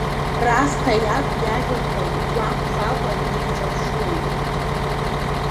Расҭа иаб иажәақәа игәамԥхакәа днеиҿаԥшуеит.